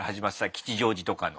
吉祥寺とかの。